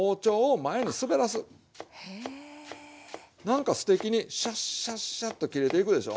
なんかすてきにシャッシャッシャッと切れていくでしょ。